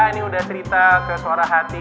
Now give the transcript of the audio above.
ini udah cerita ke suara hati